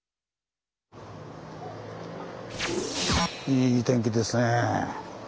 いい天気ですねぇ。